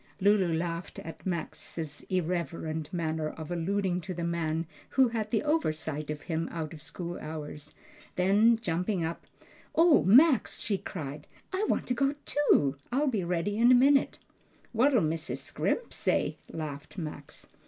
Lulu laughed at Max's irreverent manner of alluding to the man who had the oversight of him out of school hours; then jumping up, "O Max!" she cried, "I want to go too! I'll be ready in a minute." "What'll Mrs. Scrimp say?" laughed Max.